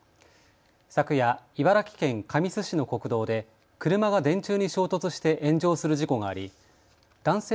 昨夜、茨城県神栖市の国道で車が電柱に衝突して炎上する事故があり男性